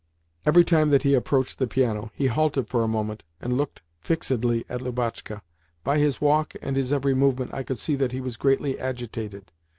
Every time that he approached the piano he halted for a moment and looked fixedly at Lubotshka. By his walk and his every movement, I could see that he was greatly agitated.